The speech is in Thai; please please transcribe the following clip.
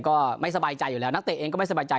ก็ไม่สบายใจอยู่แล้วนักเตะเองก็ไม่สบายใจ